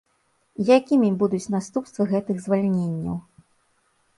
Якімі будуць наступствы гэтых звальненняў?